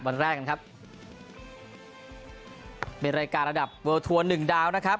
วันแรกกันครับเป็นรายการระดับเลิลทัวร์หนึ่งดาวนะครับ